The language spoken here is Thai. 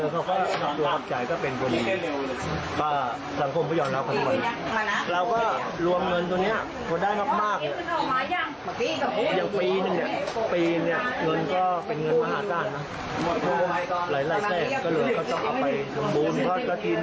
ก็เหลือเขาต้องเอาไปทำบุญทอดกระถิน